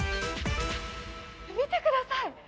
見てください。